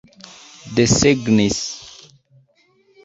desegnis